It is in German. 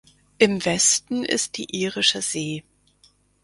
Im Westen ist die irische See.